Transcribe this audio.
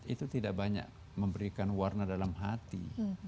itu tidak banyak memberikan warna dalam hati